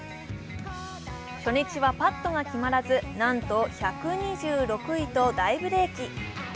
初日はパットが決まらずなんと１２６位と大ブレーキ。